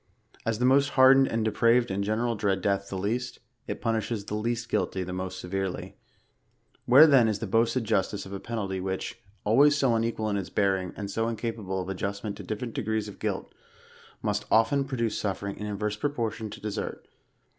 As the most hardened and depraved, in general, dread death the least, it punishes the least guilty, the most severely^ Where then is the boasted justice of a penalty which, always so unequal in its bearing, and so incapable of adjustment to different degrees of guilt, must often produce suiering in inverse proportion to desert